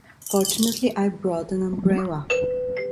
Fortunately I brought an umbrella.